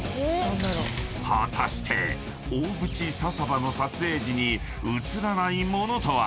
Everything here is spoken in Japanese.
［果たして大淵笹場の撮影時に写らないものとは？］